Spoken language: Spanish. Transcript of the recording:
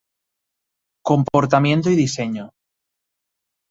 Comportamiento y diseño".